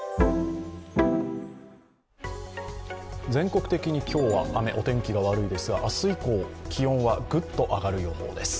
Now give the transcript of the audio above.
全国的に今日は雨、お天気が悪いですが明日以降、気温はぐっと上がる予報です。